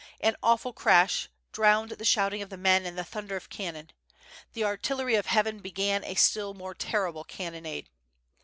An awful crash drowned the shouting of the men and the thunder of cannon: The artillery of heaven began a still more terrible cannonade.